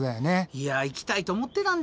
いや行きたいと思ってたんですよ